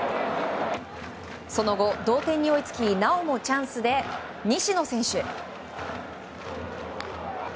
その後、同点に追いつきなおもチャンスで西野選手。